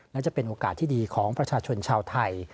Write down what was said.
และจะเป็นโอกาสที่ดีของประชาชนชาวไทย